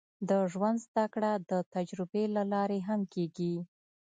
د ژوند زده کړه د تجربې له لارې هم کېږي.